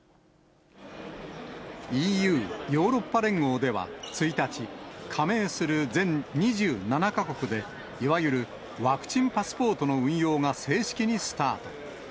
ＥＵ・ヨーロッパ連合では１日、加盟する全２７か国で、いわゆるワクチンパスポートの運用が正式にスタート。